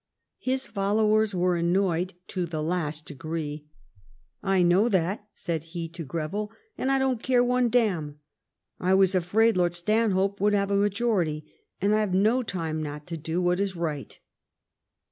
His followers were annoyed to the last degree. I know that," said he to Greville, " and I don't care one damn.. T was afraid Lord Stanhope would have a majority, and I have no time not to do what is right."